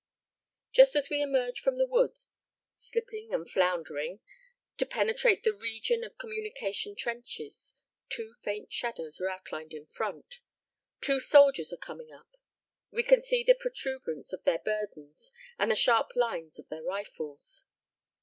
Just as we emerge from the wood, slipping and floundering, to penetrate the region of communication trenches, two faint shadows are outlined in front. Two soldiers are coming up. We can see the protuberance of their burdens and the sharp lines of their rifles.